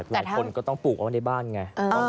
แต่หลายคนก็ต้องปลูกออกมาในบ้านไง